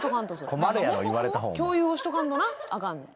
共有をしとかんとなあかんねん。